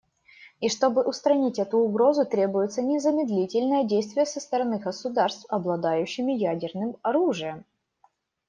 И чтобы устранить эту угрозу, требуются незамедлительные действия со стороны государств, обладающих ядерным оружием.